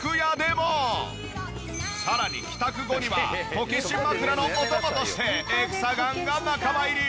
さらに帰宅後にはこけし枕のお供としてエクサガンが仲間入り！